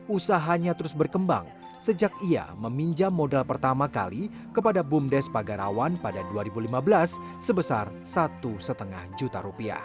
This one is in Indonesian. usahanya terus berkembang sejak ia meminjam modal pertama kali kepada bumdes pagarawan pada dua ribu lima belas sebesar rp satu lima juta